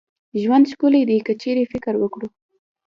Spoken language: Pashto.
ژوند ښکلې دي که چيري فکر وکړو